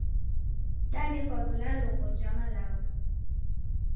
Danekwa w'ulalo ghoja malagho.